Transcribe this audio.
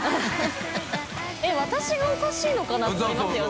えっ私がおかしいのかなと思いますよね。